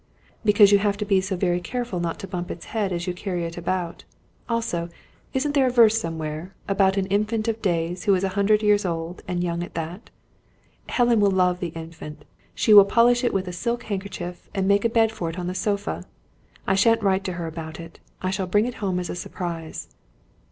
"Because you have to be so careful not to bump its head as you carry it about. Also, isn't there a verse somewhere, about an Infant of Days who was a hundred years old, and young at that? Helen will love the Infant. She will polish it with a silk handkerchief, and make a bed for it on the sofa! I shan't write to her about it. I shall bring it home as a surprise."